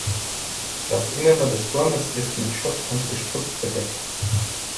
Das Innere des Turmes ist mit Schutt und Gestrüpp bedeckt.